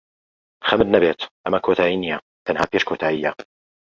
خەمت نەبێت، ئەمە کۆتایی نییە، تەنها پێش کۆتایییە.